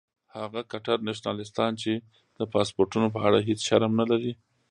هغه کټر نیشنلستان چې د پاسپورټونو په اړه هیڅ شرم نه لري.